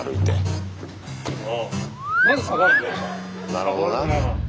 なるほどな。